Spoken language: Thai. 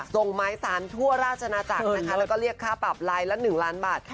ส่งไม้สารทั่วราชนาจักรนะคะแล้วก็เรียกค่าปรับลายละ๑ล้านบาท